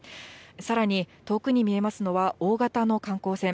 さらに遠くに見えますのは、大型の観光船。